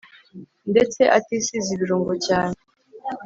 ndetse atisize ibirungo cyane